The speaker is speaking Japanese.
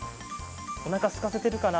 おなかすかせてるかな？